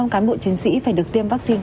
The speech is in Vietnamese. một trăm cán bộ chiến sĩ phải được tiêm vaccine